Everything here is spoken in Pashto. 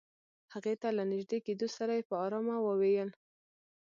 هغې ته له نژدې کېدو سره يې په آرامه وويل.